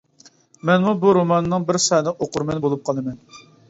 مەنمۇ بۇ روماننىڭ بىر سادىق ئوقۇرمىنى بولۇپ قالىمەن.